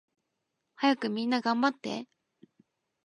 はやくみんながんばって